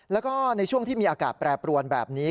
แล้วก็ในช่วงที่มีอากาศแปรปรวนแบบนี้